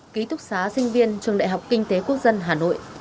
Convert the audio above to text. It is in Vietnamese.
ký túc xá sinh viên trường đại học kinh tế quốc dân hà nội